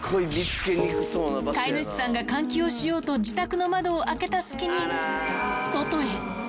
飼い主さんが換気をしようと自宅の窓を開けた隙に外へ。